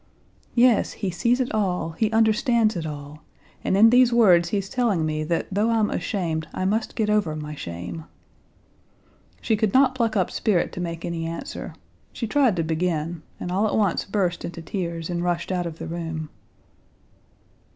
"Yes, he sees it all, he understands it all, and in these words he's telling me that though I'm ashamed, I must get over my shame." She could not pluck up spirit to make any answer. She tried to begin, and all at once burst into tears, and rushed out of the room.